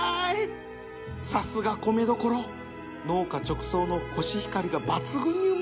さすが米どころ農家直送のコシヒカリが抜群にうまい